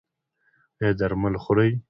ایا درمل خورئ؟